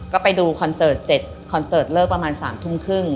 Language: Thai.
ก็ไปดูคอนเสิร์ตเสร็จคอนเสิร์ตเลิกประมาณ๓ทุ่มครึ่ง